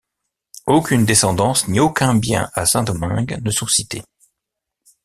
Aucune descendance ni aucun bien à Saint-Domingue ne sont cités.